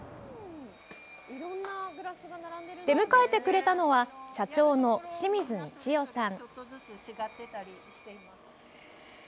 出迎えてくれたのは社長の清水三千代さん。